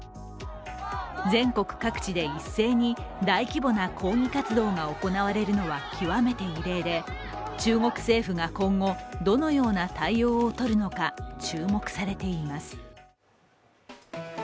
全国各地で一斉に大規模な抗議活動が行われるのは極めて異例で中国政府が今後、どのような対応をとるのか、注目されています。